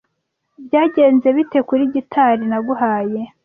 Byagenze bite kuri gitari naguhaye?